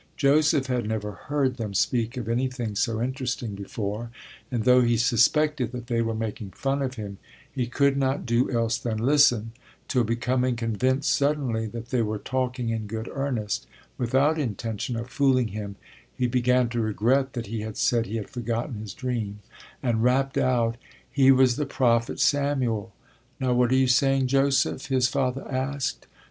Joseph had never heard them speak of anything so interesting before, and though he suspected that they were making fun of him he could not do else than listen, till becoming convinced suddenly that they were talking in good earnest without intention of fooling him he began to regret that he had said he had forgotten his dream, and rapped out: he was the prophet Samuel. Now what are you saying, Joseph? his father asked.